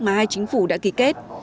mà hai chính phủ đã ký kết